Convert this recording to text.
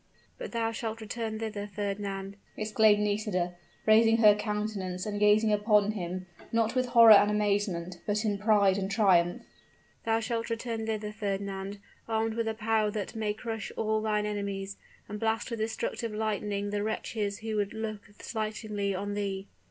"But thou shalt return thither, Fernand," exclaimed Nisida, raising her countenance and gazing upon him, not with horror and amazement, but in pride and triumph; "thou shalt return thither, Fernand, armed with a power that may crush all thine enemies, and blast with destructive lightning the wretches who would look slightingly on thee.